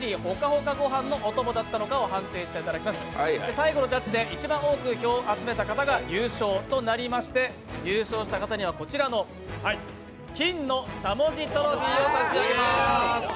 最後のジャッジで一番多く票を集めた方が優勝となりまして、優勝した方にはこちらの金のしゃもじトロフィーを差し上げます。